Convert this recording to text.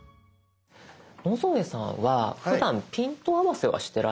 野添さんはふだんピント合わせはしてらっしゃいますか？